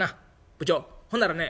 「部長ほんならね